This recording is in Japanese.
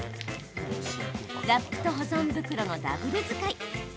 ラップと保存袋のダブル使い。